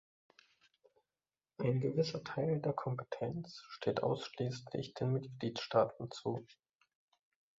Ein gewisser Teil der Kompetenz steht ausschließlich den Mitgliedstaaten zu.